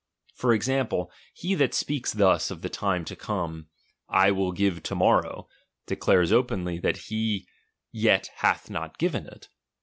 For example, he that spealts thus of the time to come, / will give to morrow, declares openly that yet he hath not given it.